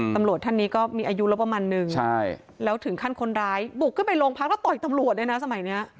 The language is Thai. ตำรวจท่านนี้ก็มีอายุแล้วประมาณนึงแล้วถึงขั้นคนร้ายบุกขึ้นไปโรงพักแล้วต่อยตำรวจด้วยนะสมัยนี้